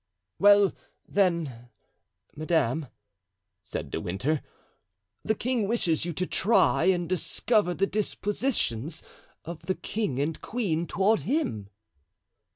"Well, then, madame," said De Winter, "the king wishes you to try and discover the dispositions of the king and queen toward him."